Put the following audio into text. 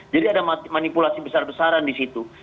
jadi ada manipulasi besar besaran disitu